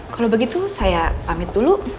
kalau begitu saya pamit dulu